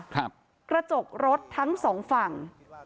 กระจกรถทั้งสองฝั่ง